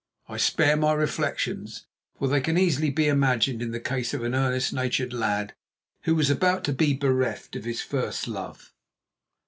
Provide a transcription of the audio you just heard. I spare my reflections, for they can easily be imagined in the case of an earnest natured lad who was about to be bereft of his first love.